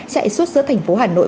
chạy suốt giữa thành phố hà nội